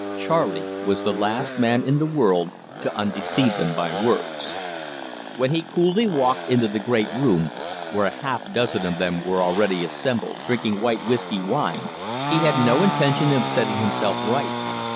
Charley was the last man in the world to undeceive them by words. When he coolly walked into the great room, where a half dozen of them were already assembled, drinking white "whiskey wine," he had no intention of setting himself right.